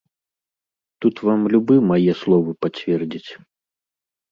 Тут вам любы мае словы пацвердзіць.